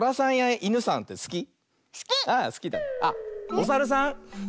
おさるさん